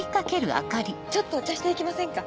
ちょっとお茶していきませんか？